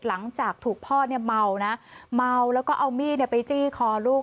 หลังจากถูกพ่อเนี่ยเมานะเมาแล้วก็เอามีดไปจี้คอลูก